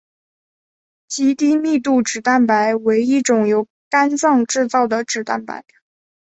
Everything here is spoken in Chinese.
极低密度脂蛋白为一种由肝脏制造的脂蛋白。